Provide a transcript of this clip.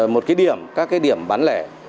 một cái điểm các cái điểm bán lẻ